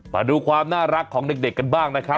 มาดูความน่ารักของเด็กกันบ้างนะครับ